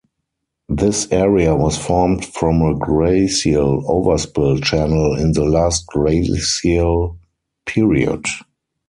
This area was formed from a glacial overspill channel in the last glacial period.